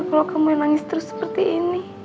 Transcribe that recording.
kalau kamu nangis terus seperti ini